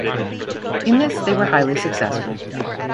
In this they were highly successful.